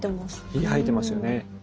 ひげ生えてますよね。